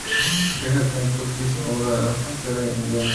Deja Kentucky y se muda a la frontera en Indiana.